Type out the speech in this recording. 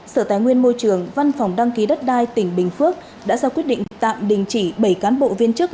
sở tài nguyên môi trường văn phòng đăng ký đất đai tỉnh bình phước đã ra quyết định tạm đình chỉ bảy cán bộ viên chức